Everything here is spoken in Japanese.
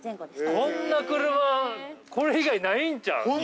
◆こんな車、これ以外ないんちゃう？